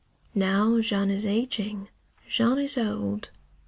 Now Jean is ageing; Jean is old.